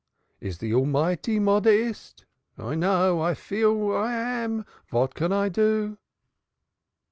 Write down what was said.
Is the Almighty modaist? I know, I feel vat I am, vat I can do."